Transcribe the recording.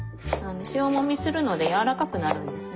塩もみするので柔らかくなるんですね。